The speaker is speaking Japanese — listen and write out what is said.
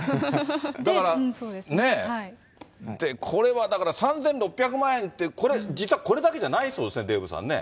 だからねえ、これはだから、３６００万円って、これ実はこれだけじゃないそうですね、デーブさんね。